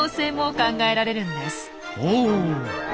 ほう！